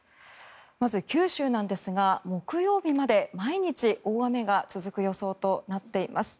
まず九州なんですが木曜日まで毎日大雨が続く予想となっています。